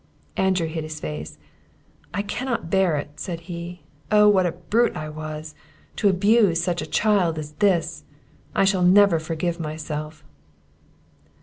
Andrew hid his face; "I cannot bear it!" said he; "oh what a brute was I, to abuse such a child as this! I shall never forgive myself!"